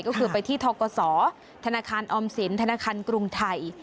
ก็คือไปที่ทกศธนาคารออมสินธนาคารกรุงไทย